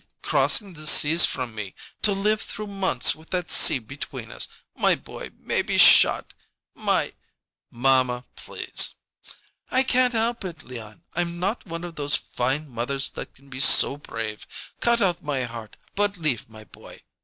Crossing the seas from me! To live through months with that sea between us my boy maybe shot my " "Mamma, please!" "I can't help it, Leon; I'm not one of those fine mothers that can be so brave. Cut out my heart, but leave my boy!